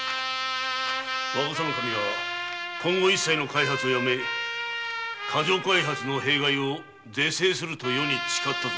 若狭守は今後一切の開発をやめ過剰開発の弊害を是正すると余に誓ったぞ。